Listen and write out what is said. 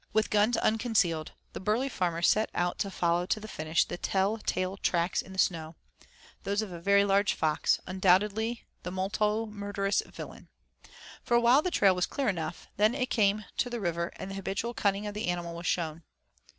With guns unconcealed the burly farmers set out to follow to the finish the tell tale tracks in the snow, those of a very large fox, undoubtedly the multo murderous villain. For a while the trail was clear enough, then it came to the river and the habitual cunning of the animal was shown.